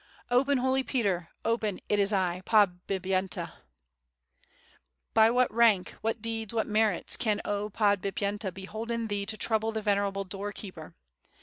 'Open, Holy Peter, open, it is I, Podbip yenta.' '' But what rank, what deeds, what merits, can 0 Podbip yenta bolden thee to trouble the venerable door keeper?